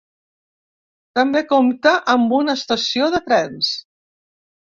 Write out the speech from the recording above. També compta amb una estació de trens.